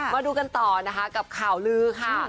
มาดูกันต่อนะคะกับข่าวลือค่ะ